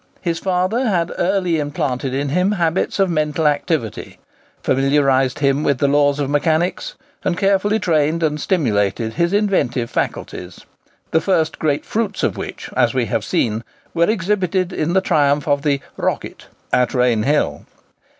His father had early implanted in him habits of mental activity, familiarized him with the laws of mechanics, and carefully trained and stimulated his inventive faculties, the first great fruits of which, as we have seen, were exhibited in the triumph of the "Rocket" at Rainhill.